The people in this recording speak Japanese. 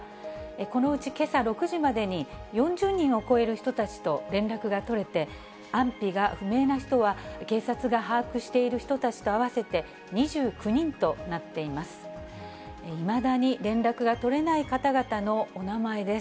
このうちけさ６時までに、４０人を超える人たちと連絡が取れて、安否が不明な人は、警察が把握している人たちと合わせて２９人となっています。